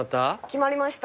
決まりました。